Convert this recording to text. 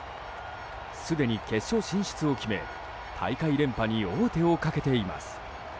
すでに決勝進出を決め大会連覇に王手をかけています。